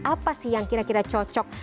apa sih yang kira kira cocok